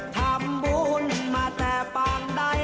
ทำบุญมาแต่ปางใด